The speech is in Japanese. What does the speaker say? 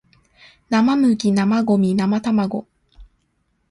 生麦生ゴミ生卵